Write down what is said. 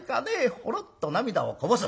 ほろっと涙をこぼす。